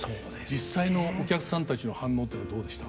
実際のお客さんたちの反応というのはどうでした？